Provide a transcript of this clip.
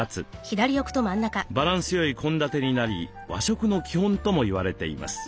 バランスよい献立になり和食の基本とも言われています。